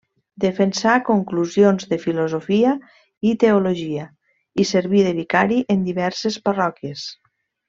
Defensà conclusions de filosofia i teologia i serví de vicari en diverses parròquies.